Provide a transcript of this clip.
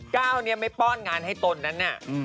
ก้าวนี้ไม่ป้อนงานให้ตนนั้นน่ะ